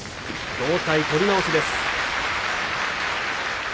同体、取り直しです。